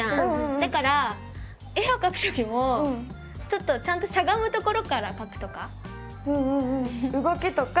だから絵をかくときもちょっとちゃんとしゃがむところからかくとか。